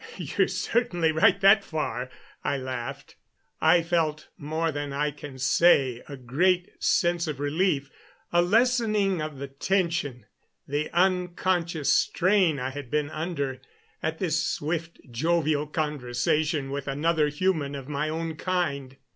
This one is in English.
"You're certainly right, that far," I laughed. I felt, more than I can say, a great sense of relief, a lessening of the tension, the unconscious strain I had been under, at this swift, jovial conversation with another human of my own kind.